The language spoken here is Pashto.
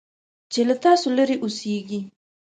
چې له تاسو لرې اوسيږي .